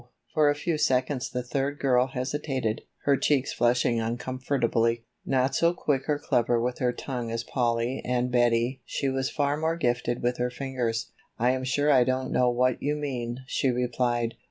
For a few seconds the third girl hesitated, her cheeks flushing uncomfortably. Not so quick or clever with her tongue as Polly and Betty she was far more gifted with her fingers. "I am sure I don't know what you mean," she replied.